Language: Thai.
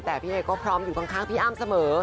แต่พี่เอก็พร้อมอยู่ข้างพี่อ้ำเสมอ